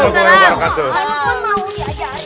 saya mah mau diajarin